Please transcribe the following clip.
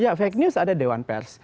ya fake news ada dewan pers